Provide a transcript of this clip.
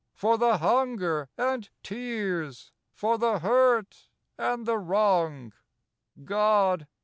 For the hunger and tears ; For the hurt and the wrong :— God